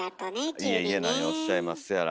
いえいえ何をおっしゃいますやら。